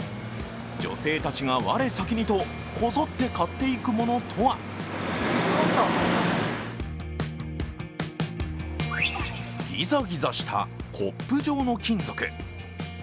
女性たちが我先にと、こぞって買っていくものとはギザギザしたコップ状の金属。